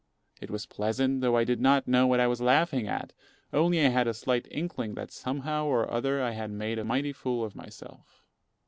It was pleasant, though I did not know what I was laughing at; only I had a slight inkling that somehow or other I had made a mighty fool of myself.